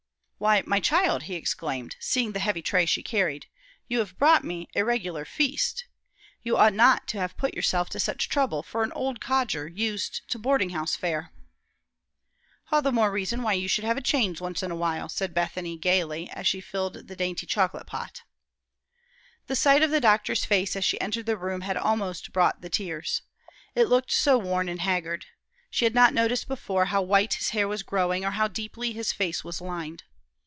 "Why, my child!" he exclaimed, seeing the heavy tray she carried, "you have brought me a regular feast. You ought not to have put yourself to such trouble for an old codger used to boarding house fare." "All the more reason why you should have a change once in a while," said Bethany, gayly, as she filled the dainty chocolate pot. The sight of the doctor's face as she entered the room had almost brought the tears. It looked so worn and haggard. She had not noticed before how white his hair was growing, or how deeply his face was lined.